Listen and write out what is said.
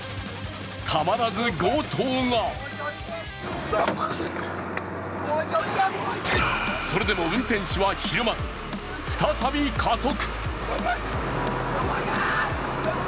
たまらず強盗がそれでも運転手はひるまず、再び加速。